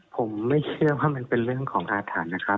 ผมไม่เชื่อว่ามันเป็นเรื่องของอาถรรพ์นะครับ